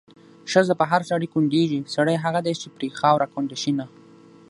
ښځه په هر سړي کونډېږي، سړی هغه دی چې پرې خاوره کونډه شېنه